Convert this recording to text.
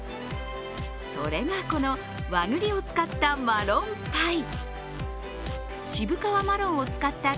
それが、この和栗を使ったマロンパイ。